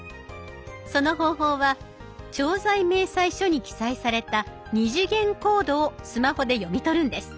その方法は調剤明細書に記載された二次元コードをスマホで読み取るんです。